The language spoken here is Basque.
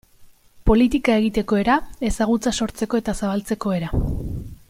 Politika egiteko era, ezagutza sortzeko eta zabaltzeko era...